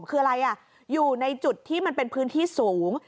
คืออะไรอยู่ในจุดที่มันเป็นพื้นที่สูง